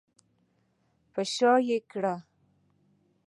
په شا به یې کړې.